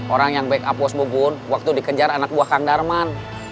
orang yang backup pos bubun waktu dikejar anak buah kang darman